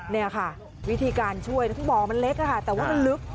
นี่ค่ะวิธีการช่วยคือบ่อมันเล็กค่ะแต่ว่ามันลึก